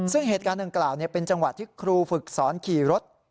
ซึ่งเหตุการณ์ดังกล่าวเป็นจังหวะที่ครูฝึกสอนขี่รถ